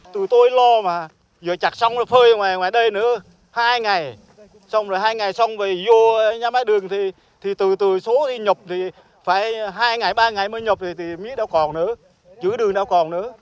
từ tôi lo mà giờ chặt xong rồi phơi ngoài đây nữa hai ngày xong rồi hai ngày xong rồi vô nhà máy đường thì từ từ số đi nhập thì phải hai ngày ba ngày mới nhập thì mía đâu còn nữa chữ đường đâu còn nữa